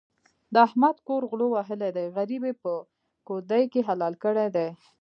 د احمد کور غلو وهلی دی؛ غريب يې په کودي کې حلال کړی دی.